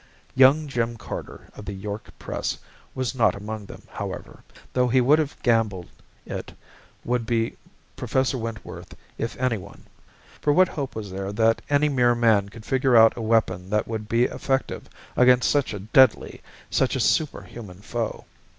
Young Jim Carter of The York Press was not among them, however, though he would have gambled it would be Professor Wentworth if anyone. For what hope was there that any mere man could figure out a weapon that would be effective against such a deadly, such a superhuman foe?